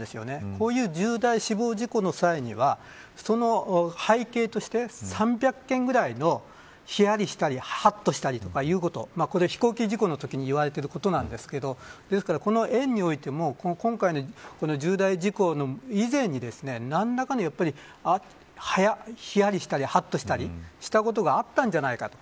こういう重大死亡事故の際にはその背景として３００件ぐらいのひやりとしたりはっとしたりということこれ、飛行機事故のときに言われていますがこの園においても今回の重大事故以前に何らかの、ひやりしたりはっとしたりしたことがあったんじゃないか。